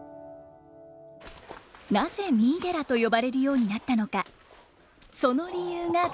なぜ三井寺と呼ばれるようになったのかその理由がこちらに。